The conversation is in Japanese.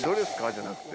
じゃなくて。